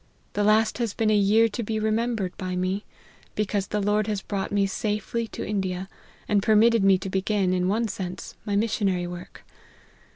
The last has been a year to be remembered by me, because the Lord has brought me safely to India, and permitted me to begin, in one sense, my missionary work.